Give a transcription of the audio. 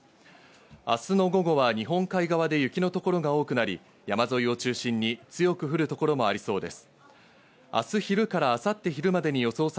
明日の午後は日本海側で雪の所が多くなり、山沿いを中心に強く降る所もありそうです。